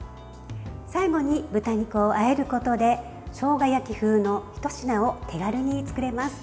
最後に豚肉をあえることでしょうが焼き風のひと品を手軽に作れます。